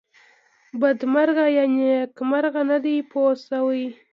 بدمرغه یا نېکمرغه نه دی پوه شوې!.